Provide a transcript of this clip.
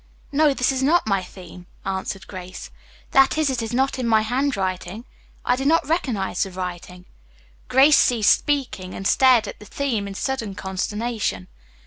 "No, this is not my theme," answered Grace; "that is, it is not in my hand writing. I do not recognize the writing." Grace ceased speaking and stared at the theme in sudden consternation.